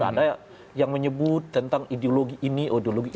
ada yang menyebut tentang ideologi ini ideologi itu